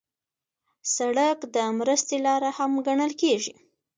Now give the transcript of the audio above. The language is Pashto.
سړک د مرستې لاره هم ګڼل کېږي.